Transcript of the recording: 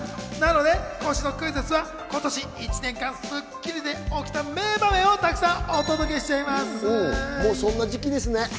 今週のクイズッスは今年１年間、『スッキリ』で起きた名場面をたくさんお届けしちゃいます。